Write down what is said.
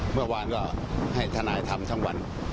มาให้ทนายทำทั้งวัน